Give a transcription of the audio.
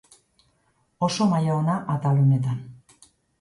Oso maila ona atal honetan.